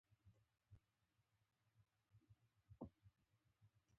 د میر بازار اخوند کورنۍ اوس هم همدلته اوسي.